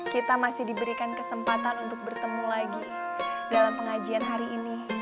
kita masih diberikan kesempatan untuk bertemu lagi dalam pengajian hari ini